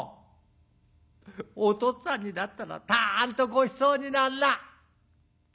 「おとっつぁんにだったらたんとごちそうになんな」。